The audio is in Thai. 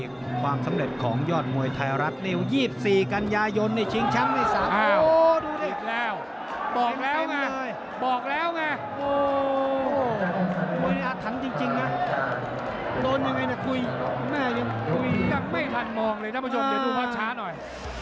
โอ้วอาทันจริงนะโดนยังไงนะคุยยังไม่ทันมองเลยท่านผู้ชมเดี๋ยวดูพร้อมช้าหน่อย